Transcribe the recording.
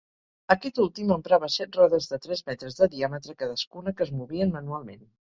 Aquest últim emprava set rodes de tres metres de diàmetre cadascuna, que es movien manualment.